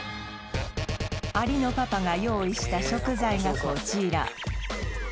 有野パパが用意した食材がこちら